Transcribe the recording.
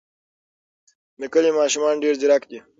د کلي ماشومان ډېر ځیرک دي.